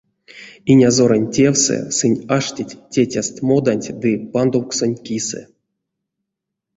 Инязоронь тевсэ сынь аштить тетяст моданть ды пандовксонть кисэ.